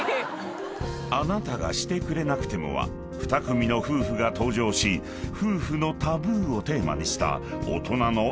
［『あなたがしてくれなくても』は２組の夫婦が登場し夫婦のタブーをテーマにした大人の恋愛ドラマ］